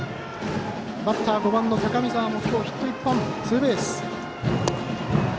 バッター、５番の高見澤もヒット１本、ツーベース。